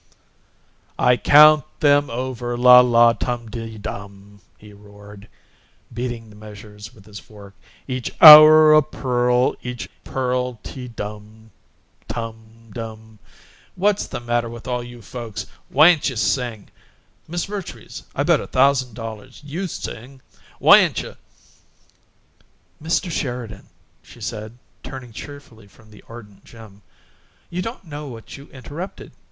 "I COUNT THEM OVER, LA LA TUM TEE DUM," he roared, beating the measures with his fork. "EACH HOUR A PEARL, EACH PEARL TEE DUM TUM DUM What's the matter with all you folks? Why'n't you SING? Miss Vertrees, I bet a thousand dollars YOU sing! Why'n't " "Mr. Sheridan," she said, turning cheerfully from the ardent Jim, "you don't know what you interrupted!